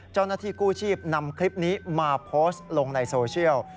เจ้าหน้าที่กู้ชีพนำคลิปนี้มาโพสต์ลงในโซเชียล